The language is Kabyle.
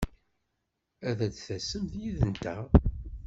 Ad d-tasemt yid-nteɣ!